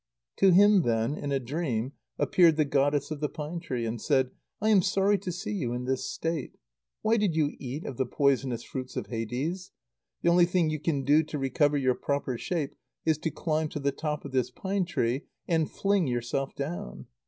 To him then, in a dream, appeared the goddess of the pine tree, and said: "I am sorry to see you in this state. Why did you eat of the poisonous fruits of Hades? The only thing you can do to recover your proper shape is to climb to the top of this pine tree, and fling yourself down.